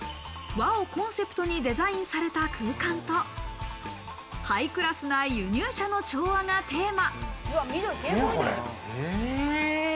和をコンセプトにデザインされた空間とハイクラスな輸入車の調和がテーマ。